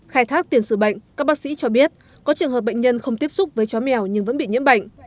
khai thác tiền sử bệnh các bác sĩ cho biết có trường hợp bệnh nhân không tiếp xúc với chó mèo nhưng vẫn bị nhiễm bệnh